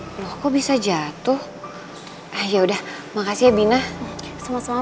hai warriors pidase hai ya udah makasih binah semua semua bu